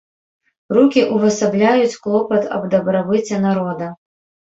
Рукі ўвасабляюць клопат аб дабрабыце народа.